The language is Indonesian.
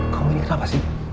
kau ini kenapa sih